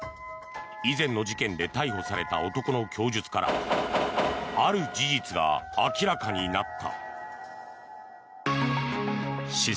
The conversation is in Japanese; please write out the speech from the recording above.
以前の事件で逮捕されたこの男性の供述からある事実が明らかになった。